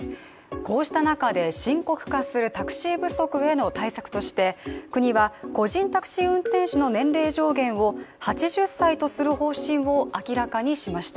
こうした中で深刻化するタクシー不足への対策として国は個人タクシー運転手の年齢上限を８０歳とする方針を明らかにしました